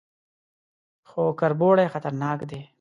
_خو کربوړي خطرناکه دي.